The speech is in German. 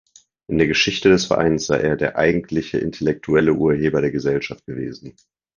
In der Geschichte des Vereins sei er der „eigentliche intellektuelle Urheber der Gesellschaft“ gewesen.